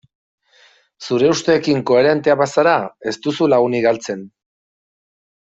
Zure usteekin koherentea bazara ez duzu lagunik galtzen.